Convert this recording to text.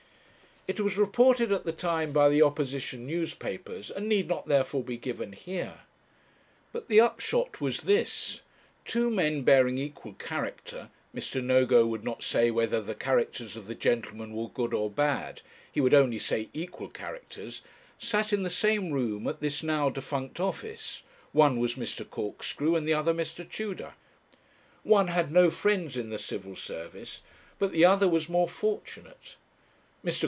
It was reported at the time by the opposition newspapers, and need not therefore be given here. But the upshot was this: two men bearing equal character Mr. Nogo would not say whether the characters of the gentlemen were good or bad; he would only say equal characters sat in the same room at this now defunct office; one was Mr. Corkscrew and the other Mr. Tudor. One had no friends in the Civil Service, but the other was more fortunate. Mr.